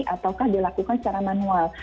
ataukah dilakukan secara manual